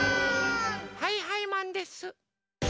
はいはいマンです。